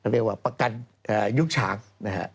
เรียกว่าประกันยุคฉางนะครับ